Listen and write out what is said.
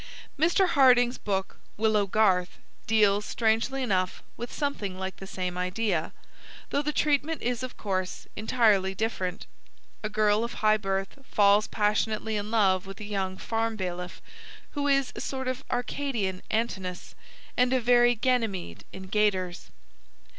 Mr. Hardinge's book Willow Garth deals, strangely enough, with something like the same idea, though the treatment is, of course, entirely different. A girl of high birth falls passionately in love with a young farm bailiff who is a sort of Arcadian Antinous and a very Ganymede in gaiters.